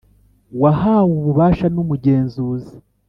Wahawe ububasha n umugenzuzi